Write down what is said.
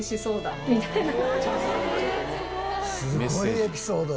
すごいエピソード。